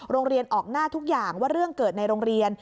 โรงเรียนออกหน้าทุกอย่างว่าเรื่องเกิดในโรงเรียน